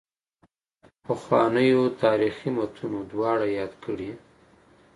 پخوانیو تاریخي متونو دواړه یاد کړي.